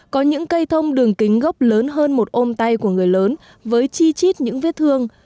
có những cây thông đường kính gốc lớn hơn một ôm tay của người lớn với chi chít những vết thương